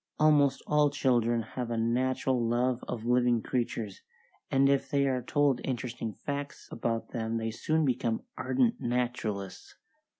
Almost all children have a natural love of living creatures, and if they are told interesting facts about them they soon become ardent naturalists.